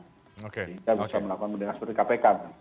jadi kita bisa melakukan pindakan seperti kpk